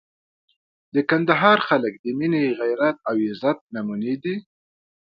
د کندهار خلک د مینې، غیرت او عزت نمونې دي.